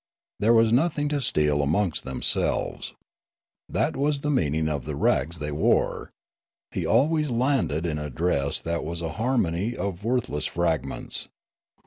There was nothing to steal amongst themselves. That was the meaning of the rags they wore. He always landed in a dress that was a harmony of worth less fragments.